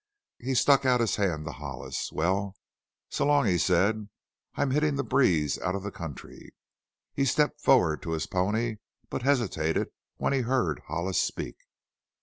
He stuck out a hand to Hollis. "Well, so long," he said; "I'm hittin' the breeze out of the country." He stepped forward to his pony, but hesitated when he heard Hollis speak.